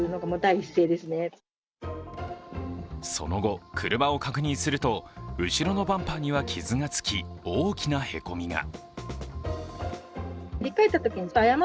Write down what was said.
その後、車を確認すると後ろのバンパーには傷がつき大きなへこみが。